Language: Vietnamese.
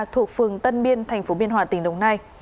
thuộc phường tân biên tp biên hòa tỉnh đồng nai